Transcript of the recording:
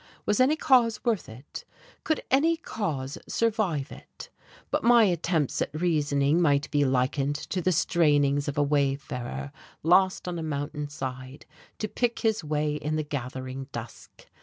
Was any cause worth it? Could any cause survive it? But my attempts at reasoning might be likened to the strainings of a wayfarer lost on a mountain side to pick his way in the gathering dusk.